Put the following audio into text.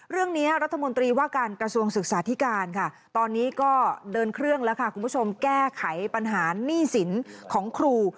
เรื่องนี้รัฐมนตรีว่าการกระทรวงศึกษาธิการค่ะตอนนี้ก็เดินเครื่องแล้วค่ะคุณผู้ชมแก้ไขปัญหาหนี้สินของครู